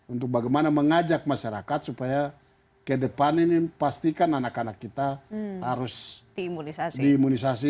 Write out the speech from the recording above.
untuk bagaimana mengajak masyarakat supaya ke depan ini pastikan anak anak kita harus diimunisasi